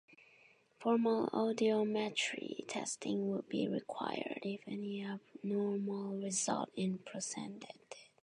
Formal audiometry testing would be required if any abnormal result is presented.